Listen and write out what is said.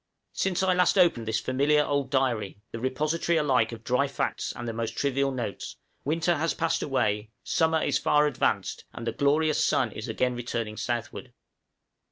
Since I last opened this familiar old diary the repository alike of dry facts and the most trivial notes winter has passed away, summer is far advanced, and the glorious sun is again returning southward.